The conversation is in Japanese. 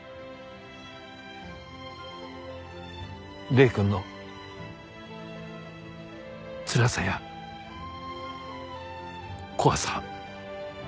礼くんのつらさや怖さ